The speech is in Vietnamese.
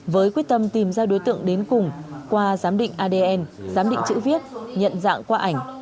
với quyết tâm tìm ra đối tượng đến cùng qua giám định adn giám định chữ viết nhận dạng qua ảnh